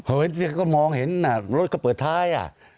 เฮ้ยเขาก็มองเห็นนะรถเขาเปิดท้าย